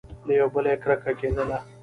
له یوه بله یې کرکه کېدله !